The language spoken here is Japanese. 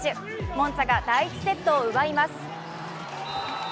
モンツァが第１セットを奪います。